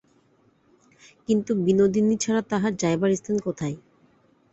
কিন্তু বিনোদিনী ছাড়া তাহার যাইবার স্থান কোথায়।